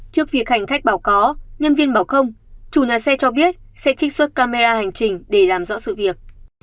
trước việc hành khách báo có nhân viên bảo không chủ nhà xe cho biết sẽ trích xuất camera hành trình để làm rõ sự việc